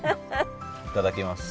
いただきます。